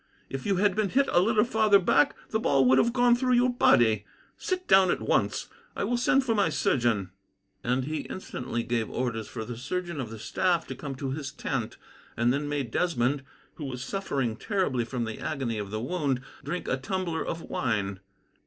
"If you had been hit a little farther back, the ball would have gone through your body. Sit down at once. I will send for my surgeon." And he instantly gave orders for the surgeon of the staff to come to his tent, and then made Desmond, who was suffering terribly from the agony of the wound, drink a tumbler of wine.